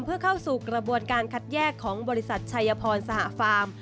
เพื่อเข้าสู่กระบวนการคัดแยกของบริษัทชัยพรสหฟาร์ม